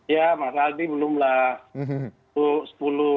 ya mas aldi belum lah